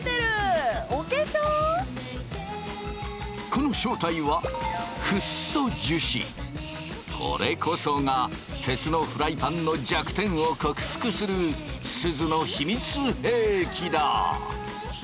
この正体はこれこそが鉄のフライパンの弱点を克服するすずの秘密兵器だ！